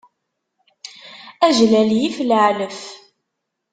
Ajlal yif lɛelf.